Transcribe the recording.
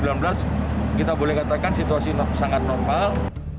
karena dua ribu sembilan belas kita boleh katakan situasi sangat normal